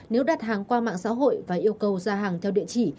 nếu đặt hàng qua mạng xã hội và yêu cầu ra hàng theo địa chỉ